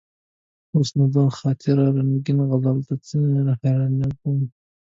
اوس نو: د خاطر رنګین غزل ته حیرانېږم.